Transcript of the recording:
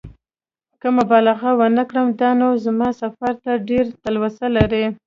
که مبالغه ونه کړم دا نو زما سفر ته ډېره تلوسه لري.